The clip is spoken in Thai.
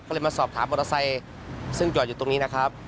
ก็เลยมาสอบถามมอเตอร์ไซค์ซึ่งจอดอยู่ตรงนี้นะครับ